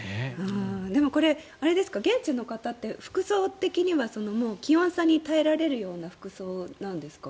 でも、現地の方って服装的には気温差に耐えられるような服装なんですか？